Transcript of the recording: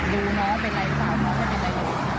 ดูน้องเป็นไรปะพาวน้องเป็นไร